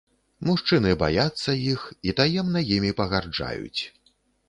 Мужчыны баяцца іх і таемна імі пагарджаюць.